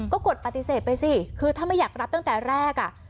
ก็กดปฏิเสธไปสิคือถ้าไม่อยากรับตั้งแต่แรกอ่ะ